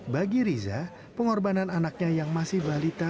bagi riza pengorbanan anaknya yang masih balita